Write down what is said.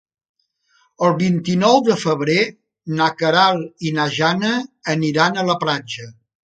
El vint-i-nou de febrer na Queralt i na Jana aniran a la platja.